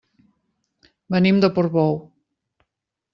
Venim de Portbou.